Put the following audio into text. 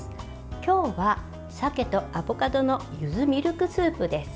今日は、鮭とアボカドの柚子ミルクスープです。